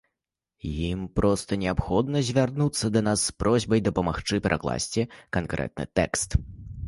Ім проста неабходна звярнуцца да нас з просьбай дапамагчы перакласці канкрэтны тэкст.